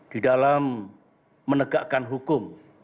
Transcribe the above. di dalam menegakkan hukum